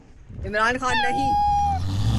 عمران خان نہیں۔